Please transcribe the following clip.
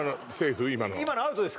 今のアウトです